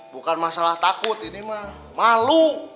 bukan masalah takut ini mah malu